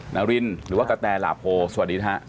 นารินหรือว่ากะแตหลาโพสวัสดีฮะ